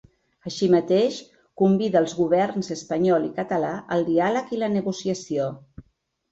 Així mateix, convida els governs espanyol i català al diàleg i la negociació.